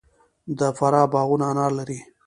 د فراه باغونه انار لري.